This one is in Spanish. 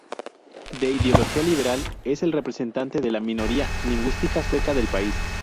De ideología liberal, es el representante de la minoría lingüística sueca del país.